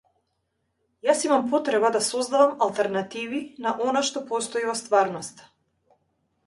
Јас имам потреба да создавам алтернативи на она што постои во стварноста.